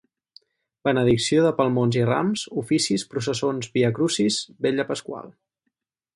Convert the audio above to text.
Benedicció de palmons i rams, oficis, processons, Via Crucis, Vetlla Pasqual.